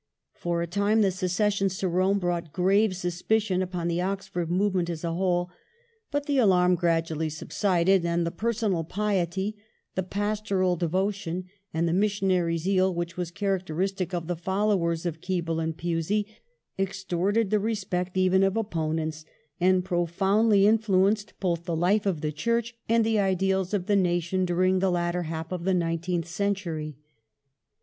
For a time the secessions to Rome brought grave suspicion upon the Oxford Movement as a whole ; but the alarm gradually subsided, and the pei sonal piety, the pastoral devotion, and the missionary zeal which were characteristic of the followers of Keble and Pusey, ex torted the respect even of opponents and profoundly influenced both the life of the Church and the ideals of the nation during the latter half of the nineteenth century.